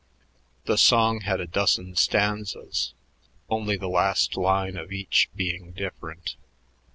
The song had a dozen stanzas, only the last line of each being different.